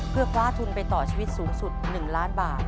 เพื่อคว้าทุนไปต่อชีวิตสูงสุด๑ล้านบาท